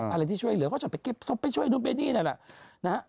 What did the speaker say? อะไรที่ช่วยเหลือเขาไปเก็บซงเขาไปช่วยนู่นเล่นนี่นั่นแหละ